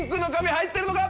入ってるのか？